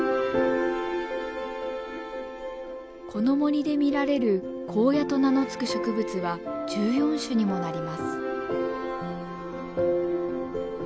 この森で見られる「コウヤ」と名の付く植物は１４種にもなります。